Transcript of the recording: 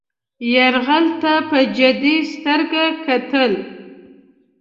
یرغل ته په جدي سترګه کتل.